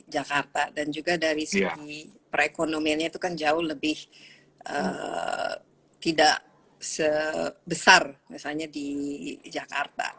jakarta dan juga dari segi perekonomiannya itu kan jauh lebih tidak sebesar misalnya di jakarta